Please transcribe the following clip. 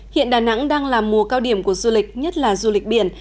hiện đà nẵng đang là mùa cao điểm của du lịch nhất là du lịch biển